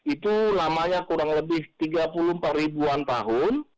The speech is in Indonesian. itu lamanya kurang lebih tiga puluh empat ribuan tahun